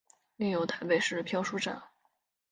另有台北市漂书站。